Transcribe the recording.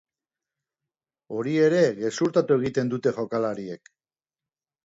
Hori ere gezurtatu egiten dute jokalariek.